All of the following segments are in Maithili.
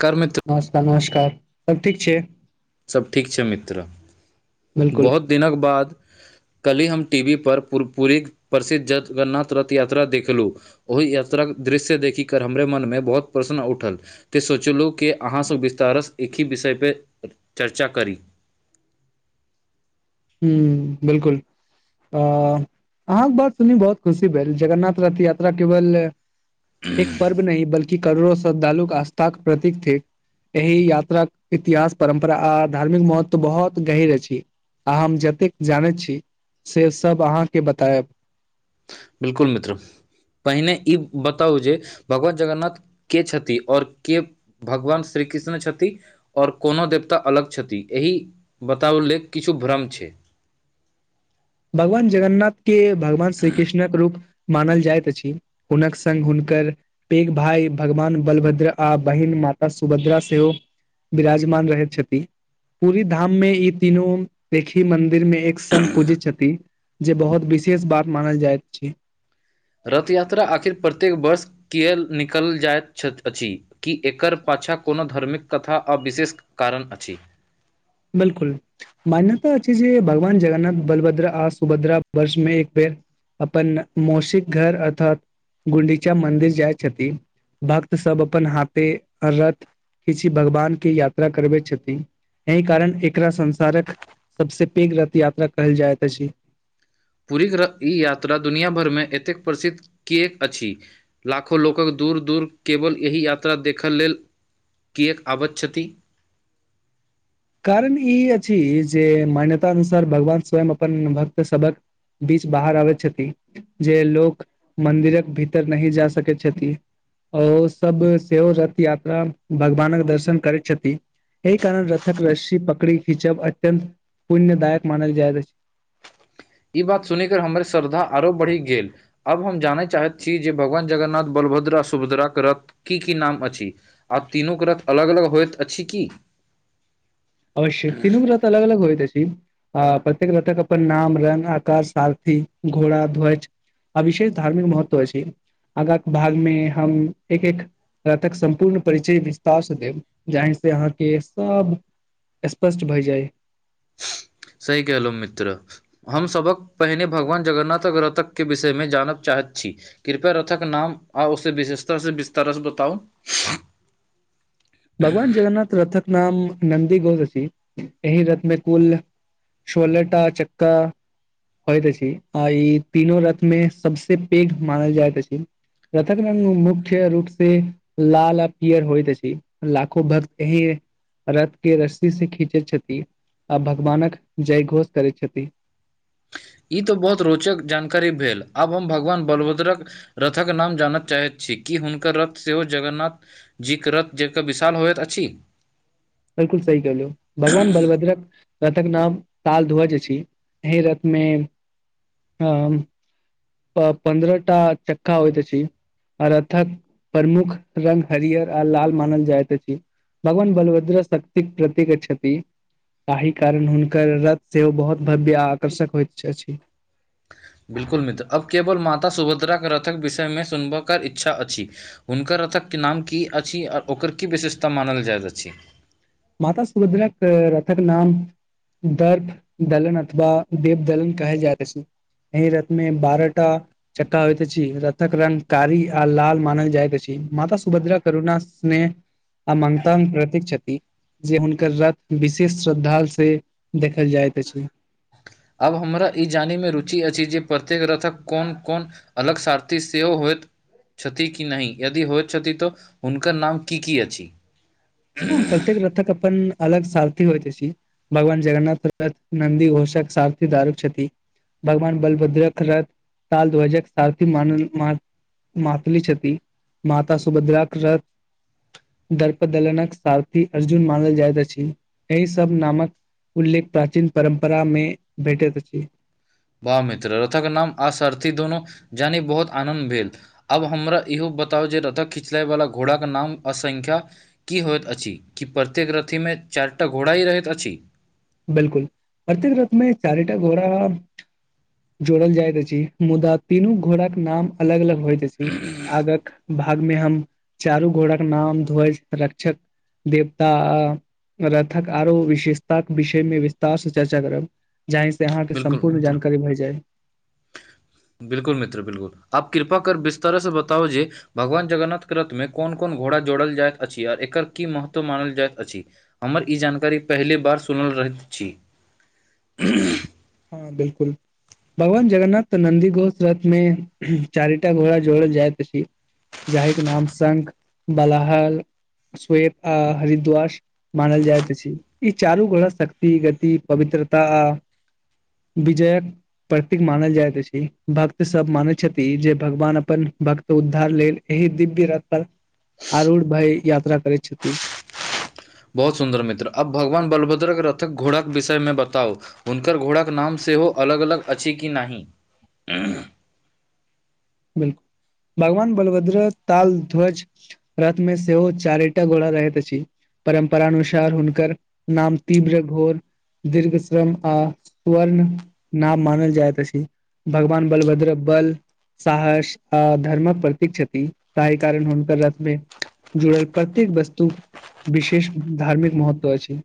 कर मित्। नमस्कार नमस्कार सब ठीक छै। सभ ठीक छै मित्र बिलकुल बहुत दिनक बाद। कल्हि हम टी वी पर पुरपुरीक प्रसिद्ध जगन्नाथ रथ यात्रा देखलुं। ओहि यात्राक दृश्य देखि कर हमरे मनमे बहुत प्रश्न उठल। तऽ सोचलहुँ कि अहाँसँ विस्तारसँ एकहि विषयपे चर्चा करी। हूँ बिलकुल। अँ अहाँक बात सुनि बहुत खुशी भेल जगन्नाथ रथ यात्रा केवल। एक पर्व नै बल्कि करोड़ो श्रद्धालुक आस्थाक प्रतीक थिक। एहि यात्राक के इतिहास परम्परा आ धार्मिक महत्व बहुत गहीर अछि। आ हम जतेक जानैत छी से सब अहाँके बतायब। बिल्कुल मित्र। पहिने ई बताउ जे भगवान जगन्नाथ के छथि आओर के। भगवान श्री कृष्ण छथि। आओर कोनो देवता अलग छथि एहि बतावल लेल किछु भ्रम छै। भगवान जगन्नाथके भगवान श्री कृष्णक रूप। मानल जाइत अछि हुनक संग हुनकर। पेघ भाई भगवान बलभद्रा आ बहिन माता सुभद्रा सेहो। बिराजमान रहैत छति। पूरी धाममे ई तीनू देखी मंदिरमे एक संग पूजै छत। ती जे बहुत विशेष बात मानल जाइत छै। रथ यात्रा आखिर प्रत्येक वर्ष। तेल निकल जाइत छथि अछि कि एकर पाछा कोनो धर्मिक कथा आ विशेष। कारण अछि। बलकुल। मान्यता अछि जे भगवान जगन्नाथ बलभद्रा आ सुभद्रा वर्षमे एक बेर। अपन मौसिक घर अर्थात गुंडीचा मन्दिर जाइ छथि भक्त सब अपन हाथे रथ। किछी भगवानके यात्रा करबै छति। एहि कारण एकरा संसारक सबसे पेघ रथ यात्रा कहल जाइत अछि। पूरीक रथ ई यात्रा दुनिया भरमे एतेक प्रसिद्ध किएक अछि? लाखो लोकक दूर दूर केवल एहि यात्रा देखऽ लेल कीयक आबत छति? कारण ई अछि जे मान्यता अनुसार भगवान स्वयं अपन भक्तसभक बीच बाहर आबेत छति। जे लोक मन्दिरक भीतर नहि जा सकै छथि। ओ सब सेहो रथ यात्रा भगवानक दर्शन करै छति एहि कारण रत रथक रस्सी पकड़ी खिचब अत्यंत पुण्यदायक मानल जाइत अछि। ई बात सुनिक हमर श्रद्धा आरो बढ़ि गेल। आब हम जानय चाहैत छी जे भगवान जगन्नाथ बलभद्रा आ सुभद्राकेँ रथ की की नाम अछि? आब तीनूकेँ रथ अलग अलग होइत अछि की? अवश्य तीनू केँ रत अलग अलग होइत अछी। आ प्रत्येक रतक अपन नाम रंग आ कार सारथी घोड़ा ध्वज। अ विशेष धार्मिक महत्व अछी कि आगाँ भागमे हम एक एक जाहा तक सम्पूर्ण परिचय विस्तार स भेल जाहि से अहाँके सब स्पष्ट भए जाइ। सही कहलहु मित्र। हमसभक पहिने भगवान जगन्नाथक रतकके विषयमे जानऽ चाहैत छी। कृपया रथाक नाम आ ओ से विशेषतर से विस्तारस बताउ। भगवान जगन्नाथ रथक नाम नन्दी गोस छी एहि रथमे कुल सोलहटा च्का। होइत अछि आ ई तीनो रथ मे सबसे पैघ मानल जाइत अछि। रथक रंग मुख्य रूप से लाल आ पिअर होइत अछि। लाखो भक्त अहीये। रथ के रस्सी से खींचे छथि आ भगवानक जय घोष करे छथि। ई तऽ बहोत रोचक जानकारी भेल आब हम भगवान बलभद्रक रथक नाम जानय चाहैत छी कि हुनकर रथ सेहो जगन्नाथ जीक्रत जेका विशाल होइत अछि? बिलकुल सही कहलू भगवान बलभद्रक रथक नाम ताल धोअज अछी एहि रथ मे हम प पन्द्रह टा चक्का होइत अछी। आ रथक प्रमुख रंग हरियर आ लाल मानल जाइत अछि। भगवान बलभद्रा शक्तिक प्रतिक छति। ताहि कारण हुनकर रथ सेहो बहोत भव्य आ आकर्षक होयइत अछि। बिलकुल मित्र अब केवल माता सुभद्राक रथक विषय मे सुनब कर इच्छा अछि। हुनकर रथकके नाम की अछि आर ओकर की विशेषता मानल जाइत अछि। माता सुभद्राकऽ रथक नाम दर्फ दलन अथवा देव दलन कहेल जाइत अछी। एहि रथमे बारहटा चक्का होइत अछि रथक रंग कारी आ लाल मानल जाइत अछि माता सुभद्रा करुणना सिनेह आ मन्तांग प्रतिक छति। जे हुनकर रथ विशेष श्रद्धाल से देखल जाइत अछि। आब हमरा ई जानैमे रुचि अछि जे प्रत्येक रथक कोन-कोन अलग सारथी सेहो होयत। छथि कि नहि यदि होइत छथि तऽ हुनकर नाम की की अछि? हँ प्रत्येक रथक अपन अलग सारथी होइत अछि भगवान जगन्नाथ रथ नन्दी घोषक सारथी दारूक छथि। भगवान बलभद्रक रथ ताल ध्वजक सारथी मान म मातलि छती माता सुभद्राक रथ दर्प दलनक सारथी अर्जुन मानल जाइत अछि एहि सब नामक उल्लेख प्राचीन परम्परा में भेटैत अछि। बाह मित्र रथक नाम आ सारथी दोनो जानि बहुत आनन्द भेल। आब हमरा इहो बताउ जे रथक खिंचल्यवाला घोड़ाके नाम आ संख्या की होइत अछि कि प्रत्येक रथीमे चारि टा घोड़ा ही रहैत अछि। बिल्कुल प्रत्येक रथमे चारिटा घोड़ा जोड़ल जाइत अछि मुदा तीनू घोड़ाक नाम अलग अलग होइत अछि आगक भाग मे हम चारू घोड़ाक नाम ध्वज रक्षक देवता आ रथक आरो विशेषताक विषय मे विस्तार से चर्चा करब जाहि से अहाँके बिल्कुल सम्पूर्ण मित्र जानकारी भए जाए। बिल्कुल मित्र बिल्कुल आब कृपा कर विस्तार से बताउ जेे भगवान जगन्नाथ के रथमें कोन-कोन घोड़ा जोड़ल जाएत अछि आर एकर की महत्व मानल जाएत अछि। हमर ई जानकारी पहिले बार सुनल रहैत छी। हां बिल्कुल। भगवान जगन्नाथ के नन्दी घोष रथ मे चारिटा घोड़ा जोड़ल जाएत अछि। जाहिके नाम शंख, बलाहल, श्वेत आ हरिद्वास मानल जाएत अछि ई चारू घोड़ा शक्ति, गति, पवित्रता आ विजयक प्रतीक मानल जाएत अछि, भक्त सब मानय छथि जे भगवान अपन भक्त उद्धार लेल एहि दिव्य रथ पर आरुढ़ भै यात्रा करैत छथि। बहुत सुन्दर मित्र, अब भगवान बलभद्र के रथक घोड़ाक के विषय में बताउ? हुनकर घोड़ा के नाम सेहो अलग-अलग अछि कि नाहि? बिल्कुल भगवान बलभद्र ताल, ध्वज रथ मे सेहो चारे टा घोड़ा रहैत अछि। परम्परानुसार हुनकर नाम तीव्र, घोर दीर्घ श्रम आ स्वर्ण नाम मानल जाएत अछि। भगवान बलभद्र बल साहस आ धर्मक प्रतीक छथि ताहि कारण हुनकर रथ मे जुड़ल प्रत्येक वस्तु विशेष धार्मिक महत्व अछि।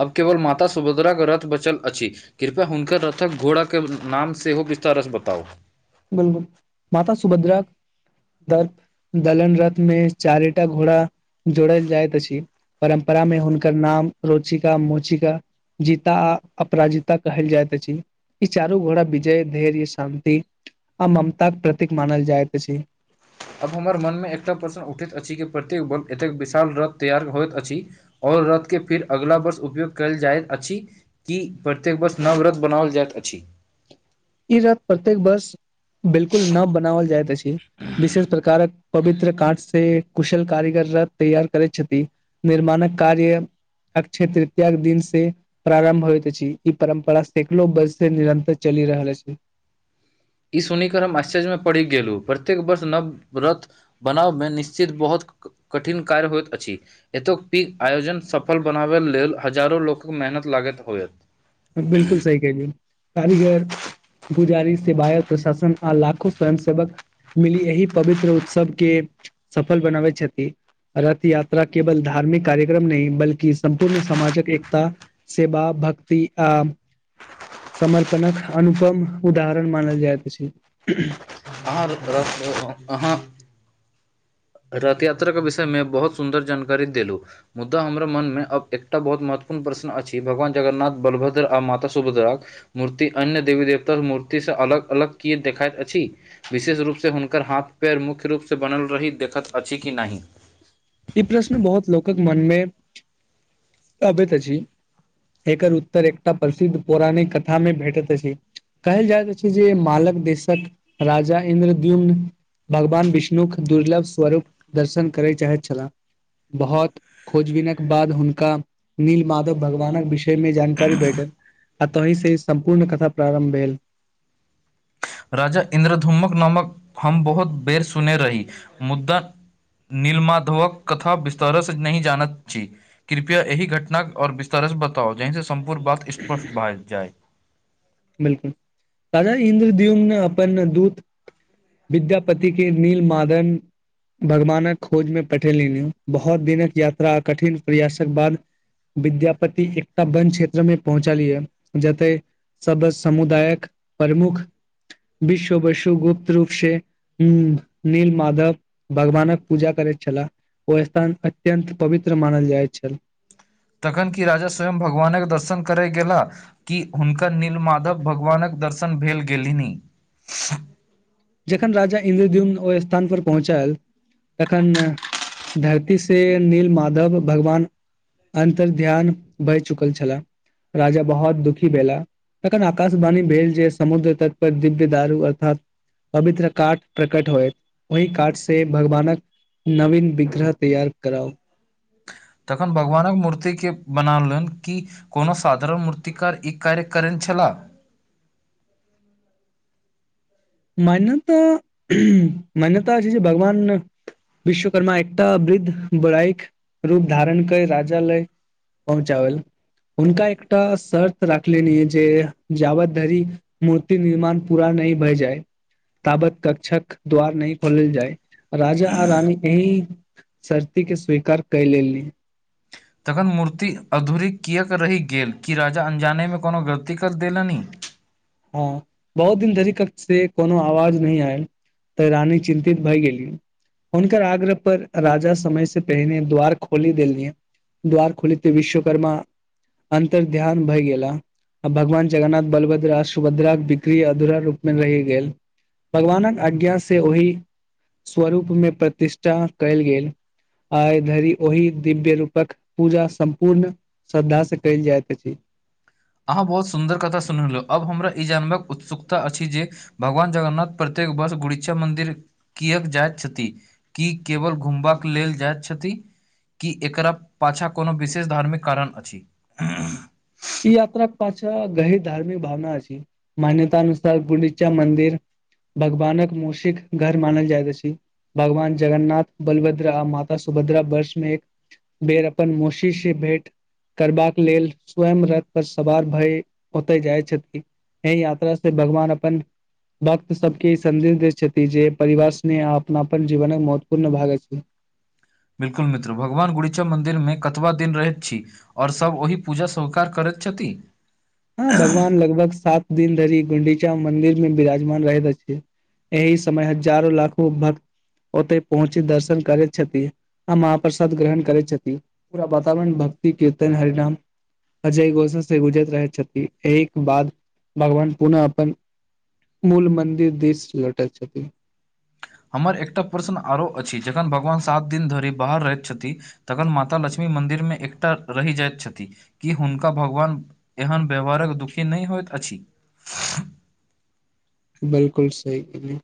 अब केवल माता सुभद्रा के रथ बचल अछि। कृपया हुनकर रथक घोड़ा के नाम सेहो हो विस्तार स बताउ? बिल्कुल माता सुभद्राक दर्प दलन रथ मे चारे टा घोड़ा जोड़ल जाएत अछि। परम्परामे हुनकर नाम रोचिका-मोचिका जीता अपराजिता कहल जाइत अछि, ई चारू घोड़ा विजय, धैर्य, शान्ति अ ममता के प्रतीक मानल जाएत अछि। आब हमर मनमे एकटा प्रश्न उठैत अछि कि प्रत्येक बल एतेक विशाल रथ तैयार होएत अछि। और रथ के फिर अगिला वर्ष उपयोग कैल जाएत अछि। की प्रत्येक वर्ष नव रथ बनावल जाएत अछि। ई रथ प्रत्येक वर्ष बिल्कुल नव बनावल जाएत अछि विशेष प्रकारक पवित्र काँठ से कुशल कारीगर रथ तैयार करैत छथि निर्माणक कार्य अक्षय तृतीया के दिन से प्रारम्भ होएत अछि ई परम्परा सैंकड़ो वर्ष से निरन्तर चलि रहल अछि। ई सुनिकर हम आश्चर्य मे पड़ि गेलु प्रत्येक वर्ष नव रथ बनावै मे निश्चित बहोत कठिन कार्य होएत अछि। एतोक पी आयोजन सफल बनावै लेल हजारो लोकक मेहनत लागैत होएत। बिल्कुल सही कहलिए कारीगर भी जारी सेवायक प्रशासन आ लाखो स्वयं सेवक मिली एहि पवित्र उत्सव के सफल बनाबै छथि। रथ यात्रा केवल धार्मिक कार्यक्रम नहि बल्कि सम्पूर्ण समाजक एकता सेवा, भक्ति आ समर्पणक अनुपम उदाहरण मानल जाएत अछि। आर रथ अहाँ रथ यात्रा के विषय मे बहुत सुन्दर जानकारी देलू। मुद्दा हमरा मनमे अब एकटा बहुत महत्वपूर्ण प्रश्न अछि भगवान जगन्नाथ, बलभद्र आ माता सुभद्राक मूर्ति अन्य देवी देवता मूर्ति स अलग-अलग कील देखाइत अछि। विशेष रूप से हुनकर हाथ-पैर मुख्य रूप स बनल रही देखैत अछि कि नाहि। ई प्रश्न बहुत लोकक मन में अबैत अछि। एकर उत्तर एकटा प्रसिद्ध पौराणिक कथा में भेटत अछि। कहल जाइत रहल छै जे मालक देशक राजा इन्द्रद्युम्न भगवान विष्णुक दुर्लभ स्वरूप दर्शन करय चाहैत छलाह बहौत खोजबिनक बाद हुनका नील माधव भगवानक विषयमे जानकारी भेटल। आ तोहिं से सम्पूर्ण कथा प्रारम्भ भेल। राजा इन्द्रधूमक नामक हम बहुत बेर सुने रही मुद्दा नीलमाधवक कथा विस्तरऽस नहि जानत छी। कृप्या एहि घटनाके और विस्तारऽस बताउ जहिसँ सम्पूर्ण बात स्पष्ट भए जाय। बिल्कुल राजा इन्द्रद्युम अपन दूत विद्यापति के नील मादन भगवानक खोज में पठेलिनिन बहौत दिनक यात्रा कठिन प्रयासक बाद विद्यापति एकटा वन क्षेत्र में पहुँचलयन जते सब समुदायक प्रमुख विश्व वसु गुप्त रूप से हूं नील माधव भगवानक पूजा करैत छलाह। ओ स्थान अत्यंत पवित्र मानल जाइत छल। तखन कि राजा स्वयं भगवानक दर्शन करय गेलाह। कि हुनकर नील माधव भगवानक दर्शन भेल गेलिनी। जखन राजा इन्द्रद्युम ओय स्थान पर पहुँचल तखन धरती से नील माधव भगवान अन्तर ध्यान बहि चुकल छला राजा बहौत दुखी भेला। तखन आकाशवाणी भेल जे समुद्र तट पर दिव्य दारू अर्थात पवित्र काठ प्रकट होयत ओहि काठ से भगवानक नवीन विग्रह तैयार कराउ। तखन भगवानक मूर्तिके बनालन कि कोनो साधारण मूर्तिकार ई कार्य करेन छलाह। मान्यता मान्यता छै जे भगवान विश्वकर्मा एकटा वृद्ध बराइक रूप धारण कय राजा लय पहुँचाबल हुनका एकटा शर्त राखलेनि जे जाबत धरि मूर्ति निर्माण पूरा नही भए जाइ। ताबत कक्षक द्वार नैय खोलल जाय राजा आ रानी एहि शर्ती के स्वीकार कै लेली। तखन मूर्ति अधूरी किएक रहि गेल कि राजा अन्जाने में कोनो गलती कर देलनि? हँ बहुत दिन धरि कक्ष से कोनो आवाज नैय आयल तऽ रानी चिन्तित भइ गेली। हनकर आग्रह पर राजा समय से पहिने द्वार खोली देलियए। द्वार खोलिते विश्वकर्मा अंतर ध्यान भय गेला आ भगवान जगन्नाथ बलबद्रास सुभद्राक बिक्री अधूरा रूपमे रहि गेल भगवानक आज्ञा से ओहि स्वरूप में प्रतिष्ठा कयल गेल। आइ धरि ओहि दिव्य रूपक पूजा सम्पूर्ण श्रद्धा से कयल जाइत अछि। अहाँ बहुत सुन्दर कथा सुनुलौ अब हमरा ई जानबाक उत्सुकता अछि जे भगवान जगन्नाथ प्रत्येक वर्ष गुरिक्छा मन्दिर कियैक जाएत छथि? की केबल घुमबाक लेल जाएत छथि। कि एकरा पाछाँ कोनो विशेष धार्मिक कारण अछि। ई यात्राक पाछा गहिर धार्मिक भावना अछि मान्यता अनुसार गुड़ीचा मन्दिर भगवानक मौसिक घर मानल जाएत अछि। भगवान जगन्नाथ बलभद्र आ माता सुभद्रा वर्षमे एक बेर अपन मौशी से भेंट करबाक लेल स्वयं रथ पर सवार भय ओतय जाय छथिन ए यात्रा से भगवान अपन भक्त सबके ई सन्देश देैत छथि जे परिवार स्नेह आ अपनापन जीवनक महत्वपूर्ण भाग अछि। बिल्कुल मित्र भगवान गुड़ीचा मंन्दिर मे कतबा दिन रहैत छी। और सब ओही पूजा [unintelligible] करैत छथी। हां भगवान लगभग सात दिन धरि गुंडीचा मंदिर मे बिराजमान रहैत अछि। एहि समय हजारो लाखो भक्त ओतय पहुँची दर्शन करैत छथि। आ महाप्रसाद ग्रहण करय छथि पूरा वातावरण भक्ति, कीर्तन, हरे राम अजय गोसा से गुजर रहैत छथि एहि के बाद भगवान पुनः अपन मूल मन्दिर दिस लौटेत छथि। हमर एकटा प्रश्न आरो अछि जखन भगवान सात दिन धरि बाहर रहैत छथि तखन माता लक्ष्मी मन्दिरमे एकटा रैह जाएत छथि। कि हुनका भगवान एहन व्यवहारक दुखी नै होएत अछि। बिल्कुल सही कहलिए।